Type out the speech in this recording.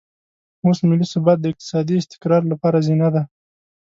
اوس ملي ثبات د اقتصادي استقرار لپاره زینه ده.